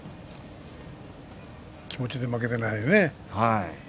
気持ちで負けていないよね。